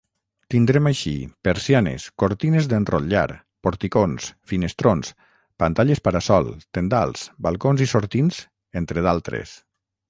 Tindrem així: persianes, cortines d'enrotllar, porticons, finestrons, pantalles para-sol, tendals, balcons i sortints, entre d'altres.